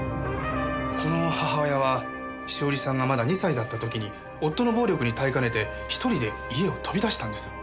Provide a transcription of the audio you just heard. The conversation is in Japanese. この母親は栞さんがまだ２歳だった時に夫の暴力に耐えかねて１人で家を飛び出したんです。